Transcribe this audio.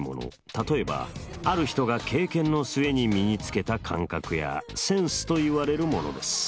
例えばある人が経験の末に身につけた感覚やセンスといわれるものです。